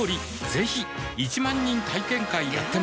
ぜひ１万人体験会やってますはぁ。